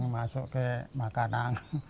masuk ke makanan